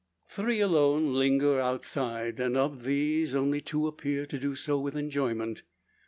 Three alone linger outside; and of these only two appear to do so with enjoyment.